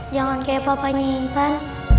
jangan kayak papanya intan